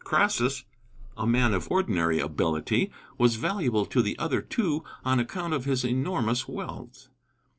Crassus, a man of ordinary ability, was valuable to the other two on account of his enormous wealth.